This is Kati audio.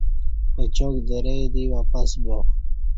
اچاک درے دی واپس با